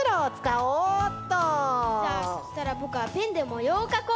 じゃあそしたらぼくはペンでもようをかこう！